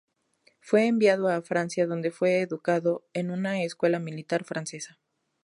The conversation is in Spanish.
Fue enviado a Francia donde fue educado en una escuela militar francesa.